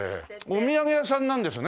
お土産屋さんなんですね